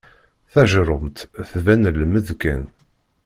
Tajerrumt tban lmed kan.